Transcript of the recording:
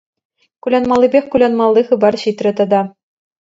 Кулянмаллипех кулянмалли хыпар ҫитрӗ тата.